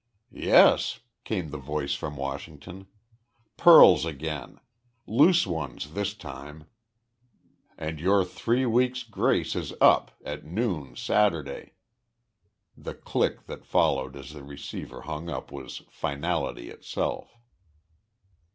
"Yes," came the voice from Washington, "pearls again. Loose ones, this time. And your three weeks' grace is up at noon Saturday." The click that followed as the receiver hung up was finality itself.